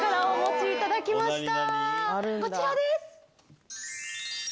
こちらです。